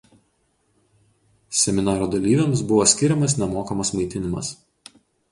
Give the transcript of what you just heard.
Seminaro dalyviams buvo skiriamas nemokamas maitinimas.